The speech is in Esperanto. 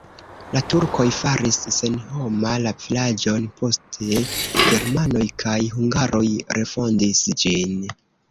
La turkoj faris senhoma la vilaĝon, poste germanoj kaj hungaroj refondis ĝin.